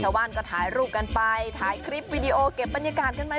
ชาวบ้านก็ถ่ายรูปกันไปถ่ายคลิปวิดีโอเก็บบรรยากาศกันไหม